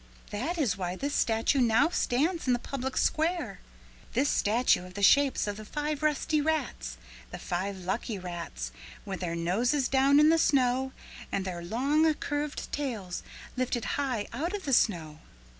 That is why this statue now stands in the public square, this statue of the shapes of the five rusty rats, the five lucky rats with their noses down in the snow and their long curved tails lifted high out of the snow.'